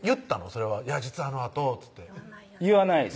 それは「実はあのあと」っつって言わないです